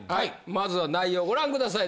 まずは内容ご覧下さい。